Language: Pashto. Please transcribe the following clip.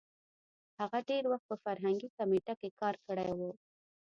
هغه ډېر وخت په فرهنګي کمېټه کې کار کړی وو.